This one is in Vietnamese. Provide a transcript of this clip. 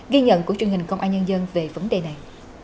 ghi nhận của chương trình công an nhân dân về vấn đề này